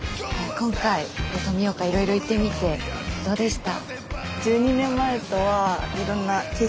今回富岡いろいろ行ってみてどうでした？